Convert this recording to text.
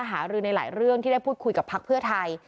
หารือในหลายเรื่องที่ได้พูดคุยกับพักเพื่อไทย